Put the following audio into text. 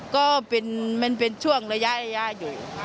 ก็มันเป็นช่วงระยะอยู่